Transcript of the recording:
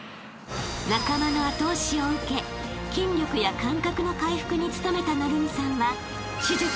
［仲間の後押しを受け筋力や感覚の回復に努めた晟弓さんは］